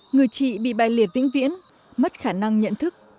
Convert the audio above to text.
người chị bị bài liệt vĩnh viễn mất khả năng nhận thức